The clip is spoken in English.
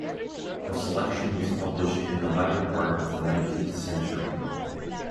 A selection was published in the latter part of the nineteenth century.